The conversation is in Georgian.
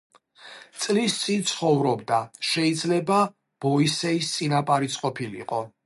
წლის წინ ცხოვრობდა, შიძლება ბოისეის წინაპარიც ყოფილიყო.